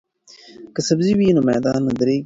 که سبزی وي نو معده نه دردیږي.